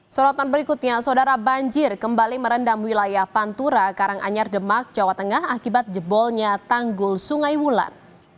sorotan berikutnya saudara banjir kembali merendam wilayah pantura karanganyar demak jawa tengah akibat jebolnya tanggul sungai wulan